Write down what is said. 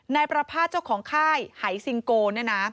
นายประภาษณ์เจ้าของค่ายหายซิงโกเนี่ยนะ